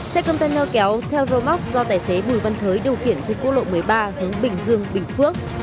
xe container kéo theo rơ móc do tài xế bùi văn thới điều khiển trên quốc lộ một mươi ba hướng bình dương bình phước